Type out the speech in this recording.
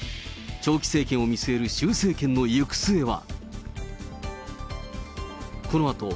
長期政権を見据える習政権の行く末は。